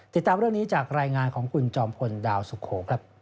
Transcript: ติดตามเรื่องนี้จากรายงานของคุณจอมพลดาวสุโขครับ